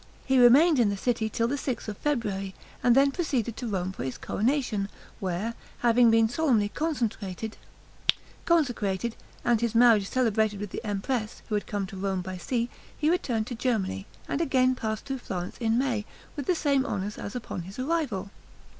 He remained in the city till the sixth of February, and then proceeded to Rome for his coronation, where, having been solemnly consecrated, and his marriage celebrated with the empress, who had come to Rome by sea, he returned to Germany, and again passed through Florence in May, with the same honors as upon his arrival.